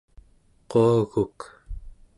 quaguk